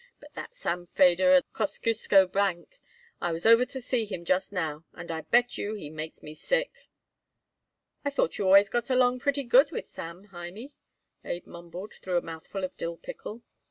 But that Sam Feder by the Kosciusko Bank, I was over to see him just now, and I bet you he makes me sick." "I thought you always got along pretty good with Sam, Hymie," Abe mumbled through a mouthful of dill pickle.